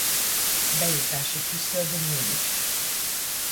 Bejutási küszöb nincs.